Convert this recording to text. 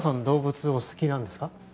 動物お好きなんですか？